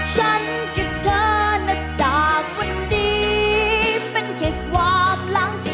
ฉันกับเธอนะจากวันนี้เป็นแค่ความหลัง